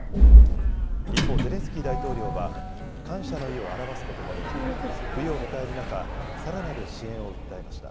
一方、ゼレンスキー大統領は感謝の意を表すとともに冬を迎える中、さらなる支援を訴えました。